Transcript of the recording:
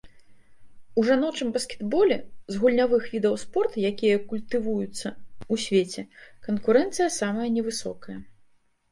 У жаночым баскетболе, з гульнявых відаў спорту, якія культывуюцца ў свеце, канкурэнцыя самая невысокая.